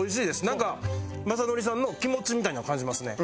なんか雅紀さんの気持ちみたいなのを感じますね。